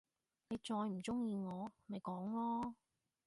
你再唔中意我，咪講囉！